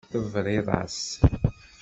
Tebriḍ-as.